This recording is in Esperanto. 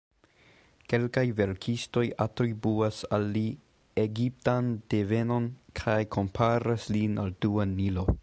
Kelkaj verkistoj atribuas al li egiptan devenon, kaj komparas lin al dua Nilo.